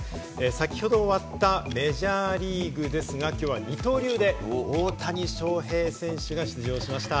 先ほど終わったメジャーリーグですが、今日は二刀流で大谷翔平選手が出場しました。